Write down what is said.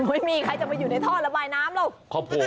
ไม่มีใครจะไปอยู่ในท่อระบายน้ำหรอก